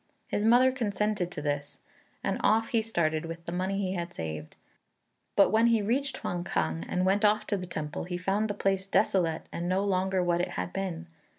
His mother consented to this, and off he started with the money he had saved; but when he reached Huang kang and went off to the temple, he found the place desolate and no longer what it had been.